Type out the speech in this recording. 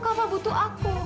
kava butuh aku